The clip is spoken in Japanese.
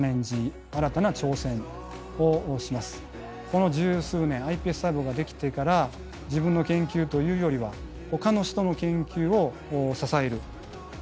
この十数年ｉＰＳ細胞ができてから自分の研究というよりはほかの人の研究を支えるこれに一生懸命取り組んできました。